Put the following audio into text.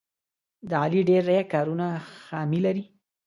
د علي ډېری کارونه خامي لري.